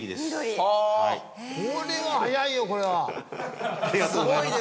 ありがとうございます。